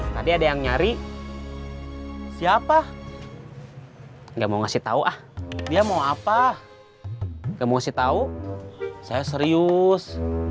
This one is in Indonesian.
tadi ada yang nyari siapa nggak mau ngasih tahu ah dia mau apa nggak mesti tahu saya serius